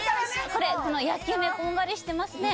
これ、この焼き目、こんがりしてますね。